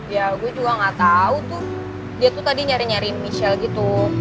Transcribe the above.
ya gue juga gak tahu tuh dia tuh tadi nyari nyari michelle gitu